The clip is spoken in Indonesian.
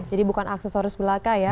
jadi bukan aksesoris belaka ya